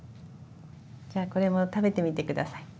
じゃあこれも食べてみて下さい。